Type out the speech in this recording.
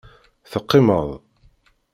Teqqimeḍ.